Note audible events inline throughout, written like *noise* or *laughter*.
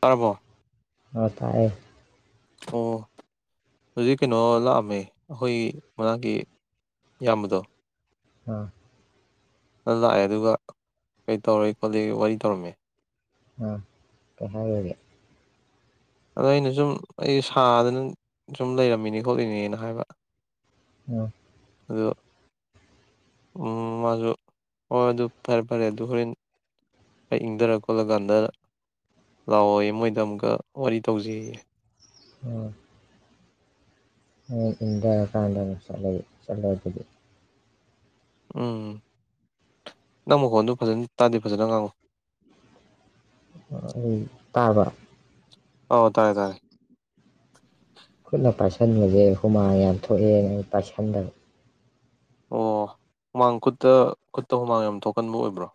ꯇꯥꯔꯕꯣ ꯑꯣ ꯍꯧꯖꯤꯛ ꯀꯩꯅꯣ ꯂꯥꯛꯑꯝꯃꯦ ꯑꯩꯈꯣꯏ ꯃꯅꯥꯛꯒꯤ ꯏꯌꯥꯝꯕꯗꯣ ꯍꯥꯥ ꯅꯪ ꯂꯥꯛꯑꯦ ꯑꯗꯨꯒ ꯀꯩ ꯇꯧꯔꯣꯏ ꯈꯣꯠꯂꯤ ꯋꯥꯔꯤ ꯇꯧꯔꯝꯃꯦ꯫ ꯑꯥ ꯀꯩ ꯍꯥꯏꯒꯔꯦ? ꯑꯗꯣ ꯑꯩꯅ ꯁꯨꯝ ꯑꯩ ꯁꯥꯗꯅ ꯁꯨꯝ ꯂꯩꯔꯝꯃꯤꯅꯤ ꯈꯣꯠꯂꯤꯅꯦꯅ ꯍꯥꯏꯕ ꯎꯝ ꯑꯗꯨ ꯎ ꯃꯥꯁꯨ ꯍꯣꯏ ꯑꯗꯨ ꯐꯔꯦ- ꯐꯔꯦ ꯑꯗꯨ ꯍꯣꯔꯦꯟ ꯑꯩ ꯏꯪꯊꯔ ꯈꯣꯠꯂꯀꯥꯟꯗ ꯂꯥꯛꯑꯣꯌꯦ ꯃꯣꯏꯗ ꯑꯃꯨꯛꯀ ꯋꯥꯔꯤ ꯇꯧꯖꯩꯌꯦ꯫ ꯑꯣ꯫ ꯈꯔꯥ ꯏꯪ ꯗꯔꯥ ꯀꯥꯟꯗ ꯑꯣꯏꯅꯥ ꯆꯂꯖꯨ ꯆꯠꯂꯥꯖꯤ꯫ ꯎꯝ ꯅꯪ ꯃꯈꯣꯟꯗ ꯐꯖꯅ ꯇꯥꯗꯦ ꯐꯖꯅ ꯉꯥꯡꯉꯨ꯫ ꯑꯩ ꯇꯥꯔꯕꯥ? ꯑꯥꯎ ꯇꯥꯔꯦ - ꯇꯥꯔꯦ꯫ ꯁꯟꯕꯁꯦ ꯍꯨꯃꯥꯡ ꯌꯥꯝ ꯊꯣꯛꯑꯦꯅ ꯑꯩ ꯄꯥꯏꯁꯟꯗꯕ꯫ ꯑꯣ ꯍꯨꯃꯥꯡ ꯈꯨꯠꯇ ꯈꯨꯠꯇ ꯍꯨꯃꯥꯡ ꯌꯥꯝ ꯊꯣꯛꯀꯟꯕ ꯑꯣꯏꯕ꯭ꯔꯣ?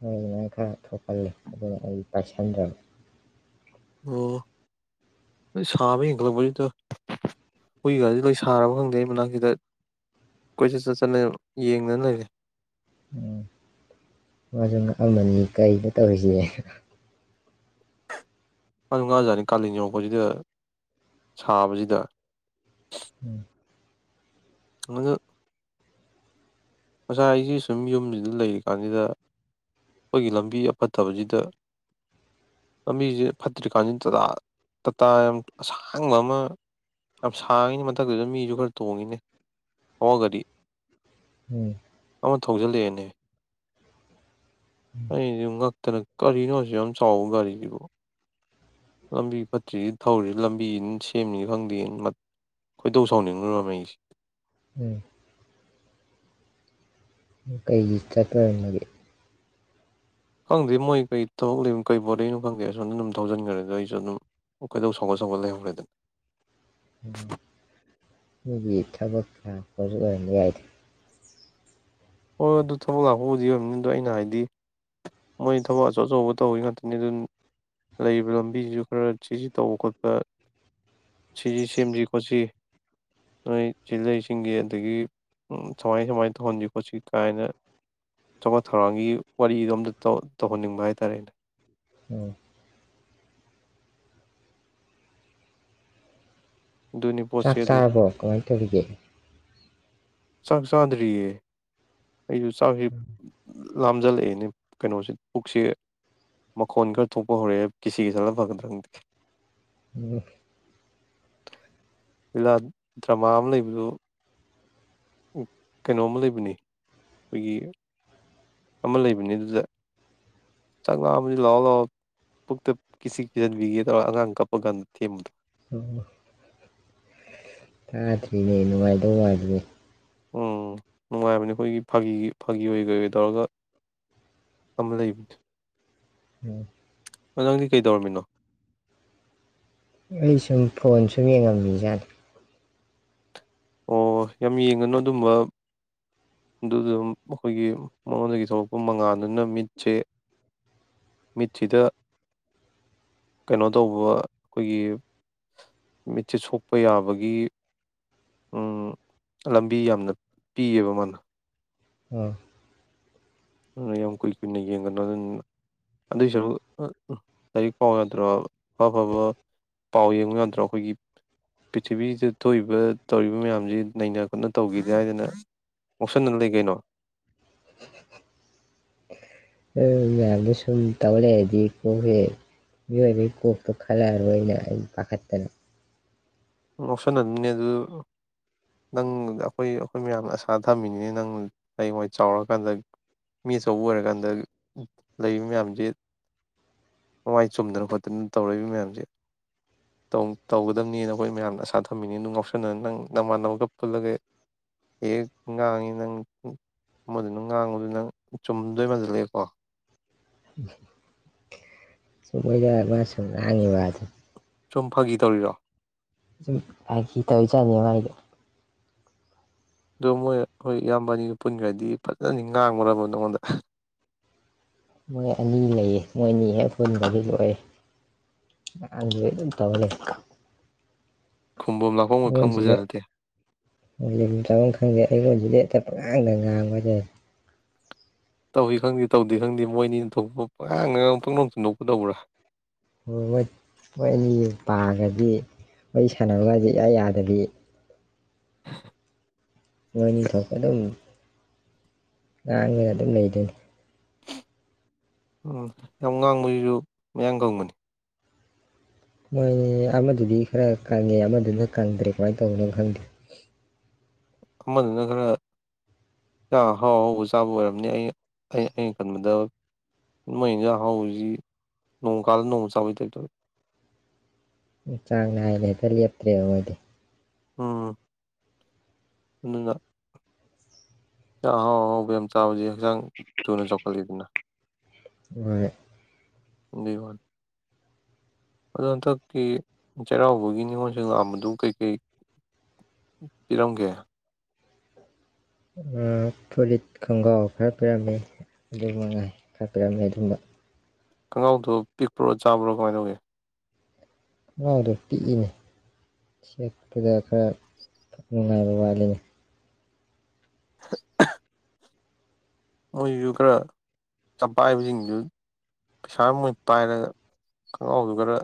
ꯍꯣꯏ ꯈꯔ ꯊꯣꯛꯀꯜꯂꯦ ꯑꯗꯨꯅ ꯑꯩ ꯄꯥꯏꯁꯟꯗꯕ꯫ ꯑꯣ ꯅꯣꯏ ꯁꯥꯕ ꯍꯦꯟꯒꯠꯂꯛꯄꯗꯨꯗ ꯍꯨꯏ ꯒꯥꯁꯤ ꯂꯣꯏ ꯁꯥꯔꯕ ꯈꯪꯗꯦ ꯃꯅꯥꯛꯁꯤꯗ ꯀꯣꯏꯆꯠ ꯆꯠ ꯆꯅ ꯌꯦꯡꯗꯅ ꯂꯩꯔꯦ꯫ ꯎꯝ ꯃꯥꯖꯨ ꯉꯛ ꯑꯃꯅꯤ ꯀꯩꯅꯣ ꯇꯧꯔꯤꯁꯤꯅꯥ꯫ ꯑꯗꯨ ꯉꯥꯖꯥꯠꯅꯤ ꯀꯥꯂꯦꯟ ꯌꯧ ꯔꯛꯄꯁꯤꯗ ꯁꯥꯕꯁꯤꯗ꯫ ꯎꯝ꯫ *unintelligible* ꯉꯁꯥꯏ ꯑꯩꯁꯤ ꯁꯨꯝ ꯌꯨꯝꯁꯤꯗ ꯂꯩꯔꯤꯀꯥꯟꯁꯤꯗ ꯑꯩꯈꯣꯏꯒꯤ ꯂꯝꯕꯤ ꯑ ꯐꯠꯇꯕꯁꯤꯗ ꯂꯝꯕꯤꯁꯤ ꯐꯠꯇ꯭ꯔꯤꯀꯥꯟꯁꯤꯗ ꯇꯇꯥ ꯇꯥꯇꯥ ꯌꯥꯝ ꯑꯁꯥꯡꯕ ꯑꯃ ꯌꯥꯝ ꯁꯥꯡꯉꯤꯅꯤ ꯃꯊꯛꯇꯨꯗ ꯃꯤꯁꯨ ꯈꯔ ꯇꯣꯡꯉꯤꯅꯦ ꯍꯧ ꯋꯥ ꯒꯥꯔꯤ ꯎꯝ꯫ ꯑꯃ ꯊꯧꯖꯤꯜꯂꯛꯑꯦꯅꯦ ꯑꯩꯒ ꯀꯅ ꯀꯔꯤꯅꯣ ꯍꯧꯁꯨ ꯌꯥꯝ ꯆꯥꯎꯕ ꯒꯥꯔꯤꯁꯤꯕꯣ ꯂꯝꯕꯤ ꯐꯠꯇ꯭ꯔꯤꯁꯤ ꯊꯧꯔꯤꯁꯤ ꯂꯝꯕꯤ ꯁꯦꯝꯅꯤ ꯈꯪꯗꯦ ꯈꯣꯏꯗꯧ ꯁꯥꯎꯅꯤꯡꯈ꯭ꯔꯕꯉꯩꯁꯤ ꯎꯝ ꯀꯩꯒꯤ ꯆꯠꯄ ꯑꯣꯏꯔꯝꯃꯒꯦ ꯈꯪꯗꯦ ꯃꯣꯏ ꯀꯩ ꯊꯕꯛ ꯂꯩꯅꯣ ꯀꯩ ꯕꯣꯔꯠꯅꯣ ꯈꯪꯗꯦ ꯑꯩ ꯁꯣꯝꯗ ꯑꯗꯨꯝ ꯊꯧꯖꯤꯟꯈ꯭ꯔꯒ ꯑꯩꯁꯨ ꯑꯗꯨꯝ ꯀꯩꯗꯧ ꯁꯧꯒꯠ ꯁꯧꯒꯠ ꯂꯩꯍꯧꯔꯦꯗ ꯎ ꯃꯒꯤ ꯊꯕꯛ ꯀꯌꯥ ꯂꯛꯞꯒꯤ ꯑꯣꯏꯔꯝꯕ ꯌꯥꯏꯗ ꯍꯣꯏꯣꯏ ꯑꯗꯨ ꯊꯕꯛ ꯂꯥꯛꯄꯕꯨꯗꯤ ꯑꯣꯏꯕꯅꯤ ꯑꯗꯣ ꯑꯩꯅ ꯍꯥꯏꯗꯤ ꯃꯣꯏ ꯊꯕꯛ ꯑꯆꯧ ꯑꯆꯧꯕ ꯇꯧꯕꯤ ꯉꯥꯛꯇꯅꯤ ꯑꯗꯨ ꯂꯩꯔꯤꯕ ꯂꯝꯕꯤꯁꯤꯁꯨ ꯈꯔ ꯁꯤꯁꯤ ꯇꯧꯕ ꯈꯣꯠꯄ ꯁꯤꯁꯤ ꯁꯦꯝꯁꯤ ꯈꯣꯠꯁꯤ ꯅꯣꯏ ꯁꯤꯂꯁꯤꯡꯒꯤ ꯑꯗꯒꯤ ꯁꯨꯃꯥꯏ ꯁꯨꯃꯥꯏꯅ ꯇꯧꯍꯟꯁꯤ ꯈꯣꯠꯁꯤ ꯀꯥꯏꯅ ꯆꯥꯎꯈꯠ ꯊꯧꯔꯥꯡꯒꯤ ꯋꯥꯔꯤꯗꯣ ꯑꯝꯇ ꯇꯧꯍꯟꯅꯤꯡꯕ ꯍꯥꯏꯇꯥꯔꯦ ꯑꯩꯅ ꯎꯝ ꯑꯗꯨꯅꯤ ꯄꯣꯠꯁꯦ ꯆꯥꯛ ꯑꯗꯨ ꯆꯥꯔꯕꯣ ꯀꯃꯥꯏꯅ ꯇꯧꯔꯤꯒꯦ ꯆꯛ ꯆꯥꯟꯗꯔꯤꯌꯦ ꯑꯩꯁꯨ ꯆꯥꯀꯁꯤ ꯂꯥꯝꯖꯜꯂꯛꯏꯅꯦ ꯀꯩꯅꯣꯁꯦ ꯄꯨꯛꯁꯤ ꯃꯈꯣꯟ ꯈꯔ ꯊꯣꯛꯄ ꯍꯧꯔꯛꯑꯦ ꯀꯤꯁꯤꯒꯤ ꯀꯤꯁꯟꯂꯒ ꯐꯒꯗ꯭ꯔ ꯈꯪꯗꯦ ꯎꯝ ꯂꯤꯂꯥ ꯗ꯭ꯔꯃꯥ ꯑꯃ ꯂꯩꯕꯗꯨ ꯀꯩꯅꯣꯝꯃ ꯂꯩꯕꯅꯦ ꯑꯩꯈꯣꯏꯒꯤ ꯑꯃ ꯂꯩꯕꯅꯦ ꯑꯗꯨꯗ ꯆꯥꯛꯅꯥ ꯑꯃꯗꯤ ꯂꯥꯛꯑꯣ ꯂꯥꯛꯑꯣ ꯄꯨꯛꯇ ꯀꯤꯁꯤ ꯀꯤꯁꯤꯟꯕꯤꯒꯦ ꯇꯧꯔꯒ ꯑꯉꯥꯡ ꯀꯞꯄ ꯀꯥꯟꯗ ꯊꯦꯝꯕꯗꯣ ꯎ ꯇꯗ꯭ꯔꯤꯅꯦ ꯅꯨꯡꯉꯥꯏꯗꯧ ꯝꯂꯤꯅꯦ ꯎꯝ ꯅꯨꯡꯉꯥꯏꯕꯅꯤ ꯑꯩꯈꯣꯏꯒꯤ ꯐꯥꯒꯤꯒꯤ ꯐꯥꯒꯤ ꯑꯣꯏ ꯀꯩ ꯑꯣꯏ ꯇꯧꯔꯒ ꯑꯃ ꯂꯩꯕꯅꯦ ꯎꯝ ꯑꯗꯣ ꯅꯡꯗꯤ ꯀꯩ ꯗꯧꯔꯃꯤꯅꯣ ꯑꯩ ꯁꯨꯝ ꯐꯣꯟ ꯁꯨꯝ ꯌꯦꯡꯉꯝꯃꯤꯖꯥꯠꯅꯤ ꯑꯣ ꯌꯥꯝ ꯌꯦꯡꯒꯅꯨ ꯑꯗꯨꯝꯕ ꯑꯗꯨꯗꯨ ꯑꯩꯈꯣꯏꯒꯤ ꯃꯉꯣꯟꯗꯒꯤ ꯊꯣꯛꯂꯛꯄ ꯃꯉꯥꯟꯜꯗꯨꯅ ꯃꯤꯠꯁꯦ ꯃꯤꯠꯁꯤꯗ ꯀꯩꯅꯣ ꯇꯧꯕ ꯑꯩꯈꯣꯏꯒꯤ ꯃꯤꯠꯁꯦ ꯁꯣꯛꯄ ꯌꯥꯕꯒꯤ ꯎ ꯂꯝꯕꯤ ꯌꯥꯝꯅ ꯄꯤꯌꯦꯕ ꯃꯥꯅ ꯑꯃ ꯑꯗꯨ ꯌꯥꯝ ꯀꯨꯏ ꯀꯨꯏꯅ ꯌꯦꯡꯒꯅꯨ ꯑꯗꯨ ꯑꯗꯨꯏꯁꯨ ꯂꯥꯏꯔꯤꯛ ꯄꯥꯎ ꯌꯥꯗ꯭ꯔꯣ ꯑꯐꯐꯕ ꯄꯥꯎ ꯌꯦꯡꯕ ꯌꯥꯗ꯭ꯔꯣ ꯑꯩꯈꯣꯏꯒꯤ ꯄ꯭ꯔꯤꯊꯤꯕꯤꯗ ꯊꯣꯛꯏꯕ ꯇꯧꯔꯤꯕ ꯃꯌꯥꯝꯁꯤ ꯅꯩꯅ ꯀꯠꯅ ꯇꯧꯈꯤꯗꯦ ꯍꯥꯏꯗꯅ ꯉꯣꯛꯁꯟꯅꯗꯅ ꯂꯩ ꯀꯩꯅꯣ ꯎ *unintelligible* ꯃꯌꯥꯝꯗꯤ ꯁꯨꯝ ꯇꯧꯔꯛꯑꯗꯤ ꯀꯣꯛꯁꯦ ꯃꯤꯑꯣꯏꯕꯩ ꯀꯣꯛꯇꯣ ꯈꯜꯂꯛꯑꯔꯣꯏꯅ ꯑꯩ ꯄꯥꯈꯠꯄꯥꯅꯤ ꯉꯥꯑꯣꯁꯟꯅꯅꯨꯅꯦ ꯑꯗꯨ ꯅꯪ ꯑꯩꯈꯣꯏ ꯑꯩꯈꯣꯏ ꯃꯌꯥꯝꯅ ꯑꯁꯥ ꯊꯝꯃꯤꯅꯤꯅꯦ ꯅꯪ ꯍꯡꯋꯥꯏ ꯆꯥꯎꯔꯀꯥꯟꯗ ꯃꯤ ꯑꯆꯧꯕ ꯑꯣꯏꯔꯀꯥꯟꯗ ꯂꯩꯔꯤꯕ ꯃꯌꯥꯝꯁꯦ ꯃꯋꯥꯥꯏ ꯆꯨꯝꯗꯅ ꯈꯣꯠꯇꯅ ꯇꯧꯔꯛꯏꯕ ꯃꯌꯥꯝꯁꯦ ꯇꯧꯒꯗꯕꯅꯦꯅ ꯑꯩꯈꯣꯏ ꯃꯌꯥꯝꯅ ꯑꯁꯥ ꯊꯝꯃꯤꯅꯤꯤ ꯑꯗꯨ ꯉꯥꯎꯁꯟꯅꯅ ꯅꯪ ꯅꯧꯃꯥꯟꯅꯕꯒ ꯄꯨꯜꯂꯒ ꯍ ꯉꯥꯡꯉꯤ ꯅꯪ ꯃꯗꯨꯅꯪ ꯉꯥꯡꯕꯗꯨ ꯅꯪ ꯆꯨꯝꯗꯣꯏ ꯃꯥꯗꯨꯂꯦꯀꯣ ꯃꯣꯏꯗ ꯃꯥ ꯁꯨꯨꯝ ꯉꯥꯪꯉꯤꯕꯥ ꯍꯥꯢꯗꯨꯅꯤ ꯁꯨꯝ ꯐꯒꯤꯗꯧꯔꯤꯔꯣ ꯁꯨꯝ ꯍꯥꯏꯈꯤ ꯇꯧ ꯆꯥꯠꯅꯤꯉꯥꯏꯗꯣ ꯑꯗꯣ ꯃꯣꯏ ꯍꯣꯏ ꯏꯌꯥꯝꯕꯅꯤꯒ ꯄꯨꯟꯈ꯭ꯔꯗꯤ ꯐꯖꯅꯤ ꯉꯥꯡꯉꯨꯔꯕ ꯅꯉꯣꯟꯗ ꯃꯣꯏ ꯑꯅꯤ ꯂꯩꯌꯦ ꯃꯣꯏ ꯑꯅꯤ ꯍꯦꯛ ꯍꯨꯟꯗꯤ ꯂꯣꯛꯑꯦ ꯑꯍ ꯑꯗꯨꯝ ꯇꯧꯍꯂꯦ ꯈꯨꯝꯕꯝ ꯂꯥꯛꯐꯝ ꯒ ꯈꯪꯕꯖꯥꯠ ꯃꯣꯢꯁꯤꯗ ꯅꯠꯇꯦ ꯂꯩꯔꯝꯗꯔꯒ ꯈꯪꯒꯦ ꯐꯩꯒꯣꯟꯜꯁꯤꯗꯤ ꯍꯦꯛꯇ ꯄ ꯉꯥꯡꯗ ꯉꯥꯡꯕ ꯍꯥꯏꯇꯥꯏ ꯇꯧꯏ ꯈꯪꯗꯦ ꯇꯧꯗꯦ ꯈꯪꯗꯦ ꯃꯣꯏꯅꯤꯅ ꯇꯧꯕ ꯄꯉꯗ ꯉꯥꯪ ꯄꯪꯅꯧꯇ ꯅꯣꯛꯄ ꯇꯧꯕ꯭ꯔꯥ ꯍꯣꯏ ꯃꯧ ꯑꯅꯤ ꯄꯥꯒꯗꯤ ꯋꯥꯔꯤ ꯁꯥꯟꯅꯕꯒꯥꯁꯤ ꯏꯌꯥ ꯌꯥꯗꯕꯤ ꯃꯣꯏ ꯑꯥꯅꯤ ꯊꯣꯛꯄ ꯑꯗꯨꯝ ꯉꯥꯡꯒꯥ ꯑꯗꯨꯝ ꯂꯩꯗꯣꯏꯅꯤ ꯎꯝ ꯌꯥꯝ ꯉꯥꯡꯕꯁꯤꯁꯨ ꯃꯌꯥꯡꯒꯪꯕꯅꯤ ꯃꯣꯏꯅꯤ ꯑꯃꯗꯨꯗꯤ ꯈꯔ ꯀꯪꯉꯦ ꯑꯃꯗꯨꯅ ꯀꯪꯗ꯭ꯔꯦ ꯀꯃꯥꯏꯅ ꯇꯧꯅꯣ ꯈꯪꯗꯦ ꯑꯃꯗꯨꯅ ꯈꯔꯥꯛ ꯍꯥꯎ ꯍꯥꯎꯕ ꯆꯥꯕ ꯑꯣꯏꯔꯝꯅꯤ ꯑꯩ ꯑꯩꯅ ꯈꯟꯕꯗ ꯃꯣꯏ ꯌꯦꯟꯖꯥꯡ ꯍꯥꯎꯁꯤ ꯅꯣꯡ ꯀꯥꯜꯗ ꯅꯣꯡꯃ ꯆꯥꯕꯩ ꯇꯩ ꯇꯧꯋꯏ ꯆꯥꯡ ꯅꯥꯏꯅ ꯍꯦꯛꯇ ꯂꯦꯞꯇ꯭ꯔꯦ ꯃꯣꯏꯗꯤ ꯑꯝ ꯑꯗꯨꯅ ꯏꯟꯁꯥꯪ ꯑꯍꯥꯎ ꯑꯍꯥꯎ ꯌꯥꯝ ꯆꯥꯕꯥꯁꯤ ꯍꯛꯆꯥꯡ ꯊꯨꯅ ꯆꯥꯎꯈꯠꯂꯤꯗꯅ ꯍꯣꯏ ꯑꯗꯨꯏ ꯋꯥꯟꯤ ꯑꯗ ꯍꯟꯗꯛꯇꯀꯤꯤ ꯆꯩꯔꯥꯎꯕꯒꯤ ꯅꯤꯉꯣꯜꯁꯨ ꯉꯥꯝꯕꯗꯨ ꯀꯩꯀꯩ ꯄꯤꯔꯝꯒꯦ ꯐꯨꯔꯤꯠ ꯈꯣꯡꯒ꯭ꯔꯥꯎ ꯈꯔ ꯄꯤꯔꯝꯃꯤ ꯑꯗꯨꯒ ꯃꯉꯥꯏ ꯈꯔ ꯄꯤꯔꯝꯃꯤ ꯑꯗꯨꯝꯕ ꯈꯒꯥꯎꯗꯣ ꯄꯤꯛꯄ꯭ꯔꯣ ꯆꯥꯕ꯭ꯔꯣ ꯀꯃꯥꯏꯅ ꯇꯧꯒꯦ ꯈꯣꯡꯅꯥꯎꯗꯣ ꯄꯤꯛꯏꯅꯦ ꯁꯦꯛꯄꯗ ꯈꯔ ꯅꯨꯡꯉꯥꯏꯕ ꯋꯥꯠꯂꯤꯅꯤ *inaudible* ꯃꯣꯏꯁꯨ ꯈꯔ ꯆꯄꯥꯛꯕꯁꯤꯡꯗꯨ ꯄꯩꯁꯥ ꯃꯣꯏ ꯄꯥꯏꯔꯒ ꯈꯪꯒꯥꯎꯗꯨ ꯈꯔ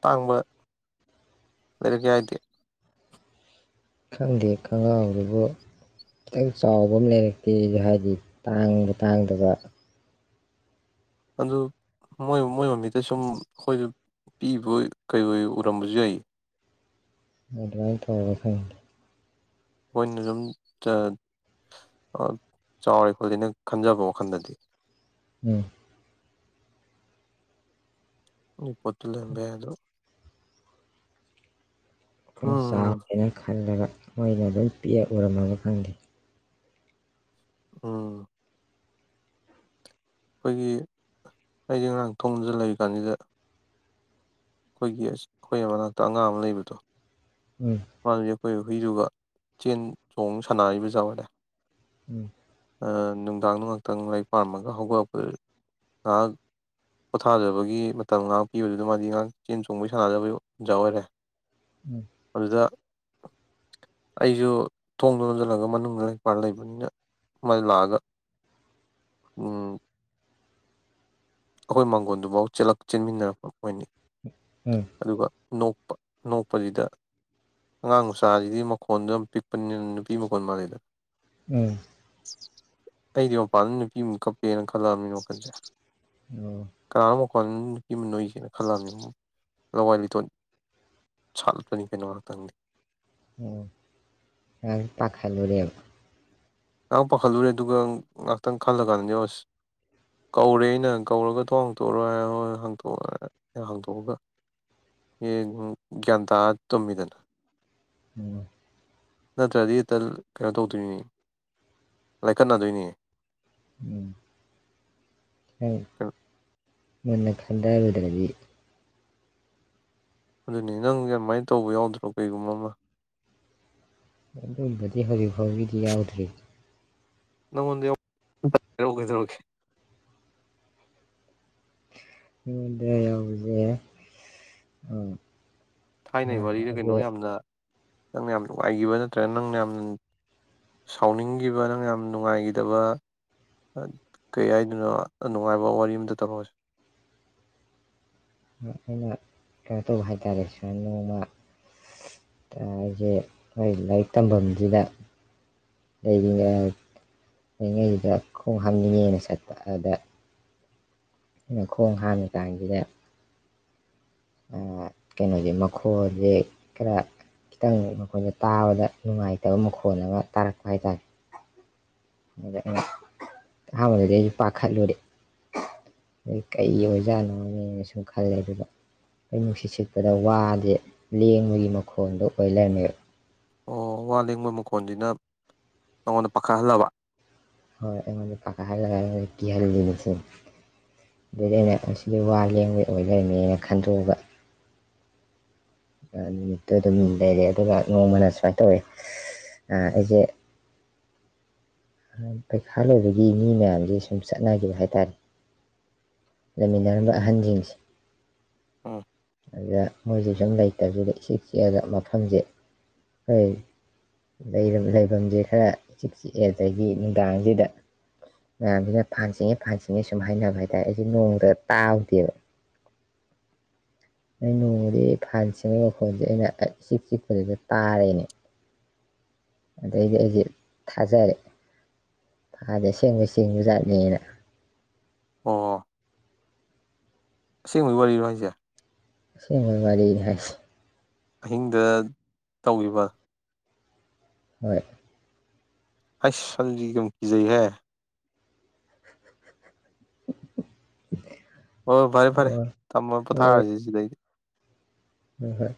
ꯇꯥꯡꯝꯕ ꯑꯗꯨꯔ ꯀ ꯍꯥꯏꯇ ꯈꯪꯗꯦ ꯈꯒꯥꯎꯗꯨꯕꯨ ꯈꯤꯇꯪ ꯆꯥꯎꯕ ꯑꯃ ꯂꯩꯔꯛꯇꯦꯁꯨ ꯍꯥꯏꯗꯤ ꯇꯥꯡꯕ ꯇꯥꯡꯗꯕ ꯑꯗꯨ ꯃꯣꯏ ꯃꯣꯏ ꯃꯃꯤꯗ ꯁꯨꯝ ꯑꯩꯈꯣꯏꯁꯨ ꯄꯤꯕ ꯀꯩꯣꯏ ꯎꯔꯝꯕꯁꯨ ꯌꯥꯏꯌꯦ ꯑꯗꯨꯃꯥꯏ ꯊꯧꯕꯒ ꯈ ꯑꯩꯈꯣꯏꯅ ꯑꯗꯨꯝ ꯆꯥꯎꯔꯦ ꯈꯣꯠꯂꯦꯅ ꯈꯟꯖꯕ ꯋꯥꯈꯜꯗꯗꯤ ꯎꯝ ꯄꯣꯠꯇ ꯂꯕꯦ ꯑꯗꯨꯣ ꯣꯡ ꯎꯝ ꯆꯥꯎꯥꯦꯅ ꯈꯜꯂꯒ ꯃꯣꯏꯅ ꯑꯗꯨꯝ ꯄꯤꯑ ꯎꯔꯝꯃꯒ ꯈꯪꯗꯦ ꯎꯝ ꯑꯩꯈꯣꯏꯒꯤ ꯍꯌꯦ ꯑꯔꯥꯡ ꯊꯣꯡꯗ ꯂꯩꯔꯤ ꯀꯥꯟꯁꯤꯗ ꯑꯩꯈꯣꯏꯒꯤ ꯑꯩꯈꯣꯏꯒꯤ ꯃꯅꯥꯛꯇ ꯑꯉꯥꯡ ꯑꯃ ꯂꯩꯕꯗꯣ ꯎꯝ ꯍꯖꯤ ꯍꯈꯏ ꯍꯨꯏꯗꯨꯒ ꯆꯦꯟ ꯆꯣꯡ ꯁꯥꯟꯅꯔꯤꯕꯖꯥꯔꯦ ꯎꯝ ꯅꯨꯡꯗꯥꯡ ꯅꯨꯡ ꯉꯥꯛꯇꯪ ꯂꯥꯏꯔꯤꯛ ꯄꯥꯝꯃꯒ ꯍꯧꯒꯠꯂꯛꯄ ꯉꯥꯏꯍꯥꯛ ꯄꯣꯊꯥꯖꯕꯒꯤ ꯃꯇꯝ ꯉꯥꯏꯍꯥꯛ ꯄꯤꯕꯗꯨꯗ ꯃꯥꯗꯤ ꯉꯥꯏꯍꯥꯛ ꯆꯦꯟ ꯆꯣꯡꯕꯩ ꯁꯥꯟꯅꯖꯕꯒꯤ ꯑꯣꯖꯥ ꯑꯣꯏꯔꯦ ꯐꯖ ꯑꯩꯁꯨ ꯊꯣꯡꯗ ꯂꯣꯟꯝꯁꯤꯜꯂꯒ ꯃꯅꯨꯡꯗꯄꯥꯛ ꯂꯩꯕꯅꯤꯅ ꯃꯗꯨ ꯂꯥꯛꯑꯒ ꯎꯝ ꯑꯩꯈꯣꯏ ꯃꯥꯡꯒꯣꯟꯗꯨꯐꯥꯎ ꯆꯦꯟꯃꯤꯟꯅꯔꯛꯄ ꯑꯣꯏꯅꯤ ꯎꯝ ꯑꯗꯨꯒ ꯅꯣꯛꯄ ꯅꯣꯛꯄꯁꯤꯗ ꯑꯉꯥꯡ ꯃꯆꯥꯁꯤꯗꯤ ꯃꯈꯣꯟꯗꯣ ꯌꯥꯝ ꯄꯤꯛꯄꯅꯤꯅ ꯅꯨꯄꯤ ꯃꯈꯣꯟ ꯃꯥꯜꯂꯤꯗ ꯎꯝ ꯑꯩꯗꯤ ꯃꯄꯥꯟꯗ ꯅꯨꯄꯤꯃꯨꯛ ꯀꯞꯄꯦꯅ ꯈꯜꯂꯛꯑꯕꯅꯤꯅ ꯋꯥꯈꯜꯁꯦ ꯑ ꯑꯩ ꯅꯨꯄꯤ ꯑꯃ ꯅꯣꯏꯁꯦꯅ ꯈꯜꯂꯛꯑꯅꯤ ꯂꯋꯥꯏ ꯂꯤꯇꯣꯠ ꯁꯥꯠꯂꯄꯅꯤ ꯀꯩꯅꯣ ꯉꯍꯥꯛꯇꯪꯗꯤ ꯑꯣ ꯄꯥꯈꯥꯏ ꯂꯨꯨꯔꯦꯕ ꯉꯥꯏꯍꯥꯛ ꯄꯥꯈꯠꯂꯨꯔꯦ ꯑꯗꯨꯒ ꯉꯥꯏꯍꯥꯛꯇꯪ ꯈꯜꯂ ꯀꯥꯟꯗꯅꯦ ꯑꯁ ꯀꯧꯔꯦ ꯑꯩꯅ ꯀꯧꯔꯒ ꯊꯣ ꯍꯥꯡꯇꯣꯛꯔꯣꯏ ꯍꯣꯏ ꯍꯥꯡꯇꯣꯛ ꯍꯥꯡꯇꯣꯛꯑꯒ ꯒ꯭ꯌꯥꯟ ꯇꯥꯔ ꯇꯨꯝꯃꯤꯗꯅ ꯎꯝ ꯅꯠꯇ꯭ꯔꯗꯤ ꯏꯇꯜ ꯀꯩꯅꯣ ꯇꯧꯗꯣꯏꯅꯤ ꯂꯥꯏꯀꯠꯅꯗꯣꯏꯅꯤ ꯎꯝ ꯍ ꯃꯨꯟꯅ ꯈꯟꯗꯔꯨꯗ꯭ꯔꯗꯤ ꯑꯗꯨꯅꯤ ꯅꯪꯁꯦ ꯑꯃꯥꯏꯅ ꯇꯧꯕ ꯌꯥꯎꯗ꯭ꯔꯣ ꯀꯩꯒꯨꯝꯕ ꯑꯃ ꯑꯗꯨꯕꯨꯗꯤ ꯍꯧꯖꯤꯛ ꯐꯥꯎꯒꯤꯗꯤ ꯌꯥꯎꯗ꯭ꯔꯤ ꯅꯪꯉꯣꯟꯗ *unintelligible* ꯑꯩꯉꫭꯟꯗ ꯌꯧꯔꯤꯖꯦ ꯑ ꯊꯥꯏꯅꯩ ꯋꯥꯔꯤꯗ ꯀꯩꯅꯣ ꯌꯥꯝꯅ ꯅꯪꯅ ꯌꯥꯝ ꯅꯨꯡꯉꯥꯏꯈꯤꯕ ꯅꯠꯇ꯭ꯔꯒ ꯅꯪꯅ ꯌꯥꯝꯅ ꯁꯥꯎꯅꯤꯡꯈꯤꯕ ꯅꯪꯅ ꯌꯥꯝ ꯅꯨꯡꯉꯥꯏꯒꯤꯗꯕ ꯀꯩ ꯍꯥꯏꯗꯣꯏꯅꯣ ꯅꯨꯡꯉꯥꯏꯕ ꯋꯥꯔꯤ ꯑꯝꯇ ꯇꯝꯃꯛ ꯎꯁꯦ ꯑꯩꯅ ꯀꯩꯅꯣ ꯇꯧꯕ ꯍꯥꯏ ꯇꯥꯔꯦ ꯁꯨꯃꯥꯏ ꯅꯣꯡꯃ ꯑ ꯑꯩꯁꯦ ꯈꯣꯏ ꯂꯥꯏꯔꯤꯛ ꯇꯝꯐꯝꯁꯤꯗ ꯂꯩꯔꯤꯉꯩ ꯂꯩꯔꯤꯉꯩꯁꯤꯗ ꯈꯣꯡ ꯍꯥꯝꯅꯤꯡꯉꯦꯅ ꯆꯠꯄ ꯑꯗ ꯑꯩꯅ ꯈꯣꯡ ꯍꯥꯥꯝꯃꯤꯀꯥꯟꯁꯤꯗ ꯀꯩꯅꯣꯁꯦ ꯃꯈꯣꯜꯁꯦ ꯈꯔ ꯈꯤꯇꯪ ꯃꯈꯣꯜꯁꯦ ꯇꯥꯕꯗ ꯅꯨꯡꯉꯥꯏꯇꯕ ꯃꯈꯣꯜ ꯑꯃ ꯇꯥꯔꯛꯄ ꯍꯥꯏ ꯇꯥꯔꯦ ꯑꯗ ꯑꯩꯅ ꯑꯍꯥꯟꯕꯗꯗꯤ ꯑꯩꯁꯨ ꯄꯥꯈꯠꯂꯨꯔꯦ ꯑꯩ ꯀꯩ ꯑꯣꯏꯖꯥꯠꯅꯣꯅꯦꯅ ꯁꯨꯝ ꯈꯜꯂꯦ ꯑꯗꯨꯒ ꯈꯣꯏ ꯅꯨꯡꯁꯤꯠ ꯁꯤꯠꯄꯗ ꯋꯥꯁꯦ ꯂꯦꯡꯕꯒꯤ ꯃꯈꯣꯜꯗꯣ ꯑꯣꯏꯂꯩꯔꯝꯃꯦꯕ ꯑꯣ ꯋꯥ ꯂꯦꯡꯕ ꯃꯈꯣꯟꯁꯤꯅ ꯅꯪꯉꯣꯟꯗ ꯄꯥꯈꯠꯍꯜꯂꯕ ꯍꯣꯏ ꯑꯩꯉꯣꯟꯗ ꯄꯥꯈꯥꯍꯜꯂꯒ ꯑꯩꯉꯣꯟꯗ ꯀꯤꯍꯜꯂꯤꯁꯤꯅꯤ ꯑꯗꯩꯗꯤ ꯑꯩꯅ ꯑꯁꯤꯗꯤ ꯋꯥ ꯂꯦꯡꯕꯩ ꯑꯣꯏ ꯂꯩꯔꯝꯃꯦꯅ ꯈꯟꯗꯣꯛꯑꯒ ꯅꯨꯃꯤꯠꯇꯨ ꯑꯗꯨꯝ ꯂꯩꯔꯦ ꯑꯗꯨꯒ ꯅꯣꯡꯃꯅ ꯁꯨꯃꯥꯏꯅ ꯇꯧꯋꯤ ꯑ ꯑꯩꯁꯦ ꯄꯩꯈꯥ ꯂꯣꯏꯕꯒꯤ ꯃꯤ ꯃꯌꯥꯝꯁꯦ ꯁꯨꯝ ꯆꯠꯅꯈꯤꯕ ꯍꯥꯏ ꯇꯥꯔꯦ ꯂꯩꯃꯤꯟꯅꯔꯝꯕ ꯑꯍꯟꯁꯤꯡꯁꯦ ꯎꯝ ꯑꯗꯨꯗ ꯃꯣꯏꯁꯦ ꯁꯨꯝ ꯂꯩꯇꯕꯁꯤꯗ ꯏꯆꯤꯛ ꯆꯤꯛꯑꯒ ꯃꯐꯝꯁꯦ ꯈꯣꯏ ꯂꯩꯐꯝꯁꯦ ꯈꯔ ꯏꯆꯤꯛ ꯆꯤꯛꯑꯦ ꯑꯗꯒꯤ ꯅꯨꯡꯗꯥꯡꯁꯤꯗ ꯃꯌꯥꯝꯁꯤꯅ ꯐꯥꯟꯆꯤꯡꯉꯤ ꯐꯥꯟꯆꯤꯡꯉꯤ ꯁꯨꯝ ꯍꯥꯏꯅꯕ ꯍꯥꯏꯇꯥꯔꯦ ꯅꯣꯡꯇ ꯇꯥꯗꯦꯕ ꯗꯩ ꯅꯣꯡꯃꯗꯤ ꯐꯥꯟ ꯆꯤꯡꯕ ꯃꯈꯣꯟꯁꯦ ꯑꯩꯅ ꯏꯆꯤꯛ ꯆꯤꯛꯄꯁꯤꯗ ꯇꯥꯔꯦꯅꯦ ꯑꯗꯨꯗꯩꯗꯤ ꯑꯩꯁꯦ ꯊꯥꯖꯔꯦ ꯐꯥꯟꯁꯦ ꯑꯁꯦꯡꯕꯩ ꯆꯤꯡꯕꯖꯥꯠꯅꯦꯅ ꯑꯣ ꯑꯁꯦꯡꯕꯩ ꯋꯥꯔꯤꯔꯣ ꯍꯥꯏꯁꯦ ꯑꯁꯦꯡꯕꯩ ꯋꯥꯔꯤꯅꯦ ꯍꯥꯏꯁꯦ ꯑꯍꯤꯡꯗ ꯇꯧꯈꯤꯕ ꯍꯣꯏ ꯍꯥꯏꯁ ꯑꯗꯨꯗꯤ ꯌꯥꯝ ꯀꯤꯖꯩꯍꯦ ꯍꯣꯏ ꯐꯔꯦ ꯐꯔꯦ ꯑꯣ ꯊꯝꯃꯣ ꯄꯣꯊꯥꯔꯁꯤ ꯁꯤꯗꯩꯗꯤ ꯎꯝ ꯍꯣꯏ